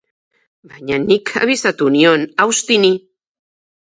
Baina nik abisatu nion Auxtini.